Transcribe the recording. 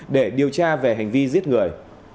để điều tra về hành vi giết người